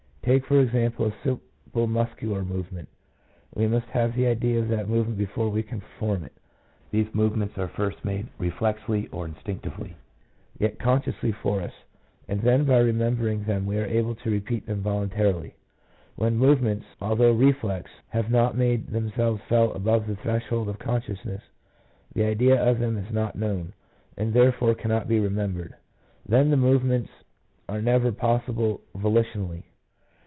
Take for ex ample a simple muscular movement: we must have the idea of that movement before we can perform it. These movements are first made reflexly or instinc tively, yet consciously for us, and then by remember ing them we are able to repeat them voluntarily. When movements, although reflex, have not made themselves felt above the threshold of consciousness, the idea of them is not known, and therefore cannot be remembered ; then the movements are never pos sible volitionally.